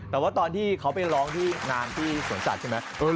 แต่ว่าตอนที่เขาไปร้องที่งานที่สวนสัตว์ใช่ไหม